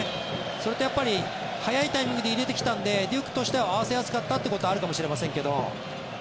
それと、早いタイミングで入れてきたのでデュークとしては合わせやすかったというのはあると思いますが。